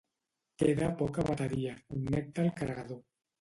Queda poca bateria, connecta el carregador.